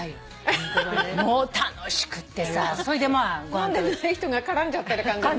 飲んでない人が絡んじゃってる感じ。